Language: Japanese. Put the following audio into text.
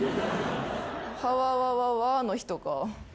「はわわわわ」の人か。